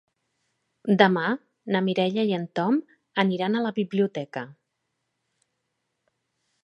Demà na Mireia i en Tom aniran a la biblioteca.